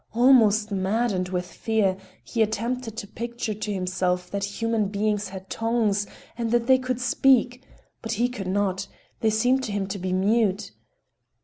Almost maddened with fear, he attempted to picture to himself that human beings had tongues and that they could speak, but he could not—they seemed to him to be mute.